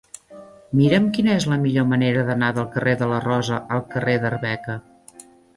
Mira'm quina és la millor manera d'anar del carrer de la Rosa al carrer d'Arbeca.